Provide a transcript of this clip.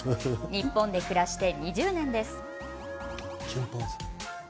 日本で暮らして２０年です。